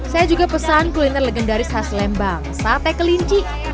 saya juga pesan kuliner legendaris khas lembang sate kelinci